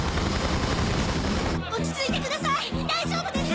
落ち着いてください大丈夫です！